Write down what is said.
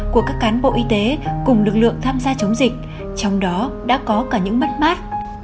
của các cán bộ y tế cùng lực lượng tham gia chống dịch trong đó đã có cả những mất mát